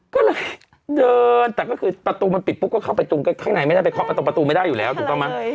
ก็เลยเดินแต่ก็คือประตูมันปิดปุ๊บก็เข้าไปตรงข้างในไม่ได้ไปเคาะประตูประตูไม่ได้อยู่แล้วถูกต้องไหม